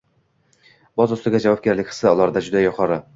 boz ustiga javobgarlik hissi ularda juda yuqori